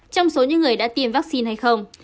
trong số những người đã tiêm vaccine hay không